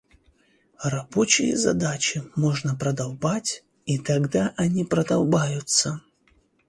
Рабочие задачи можно продолбать и тогда они продолбаются.